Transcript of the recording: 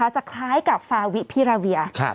จะคล้ายกับฟาวิพิราเวีย